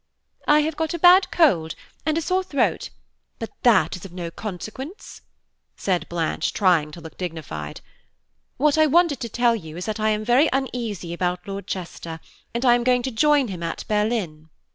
"I have got a bad cold and a sore throat, but that is of no consequence," said Blanche, trying to look dignified. "What I wanted to tell you is that I am very uneasy about Lord Chester, and I am going to join him at Berlin."